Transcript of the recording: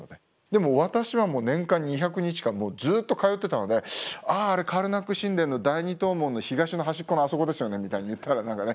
でも私は年間２００日間ずっと通ってたので「ああれカルナック神殿の第２塔門の東の端っこのあそこですよね」みたいに言ったら何かね